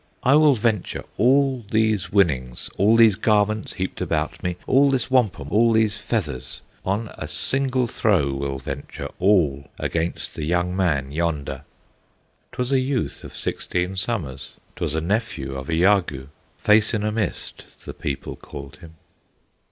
I will venture all these winnings, All these garments heaped about me, All this wampum, all these feathers, On a single throw will venture All against the young man yonder!" 'T was a youth of sixteen summers, 'T was a nephew of Iagoo; Face in a Mist, the people called him.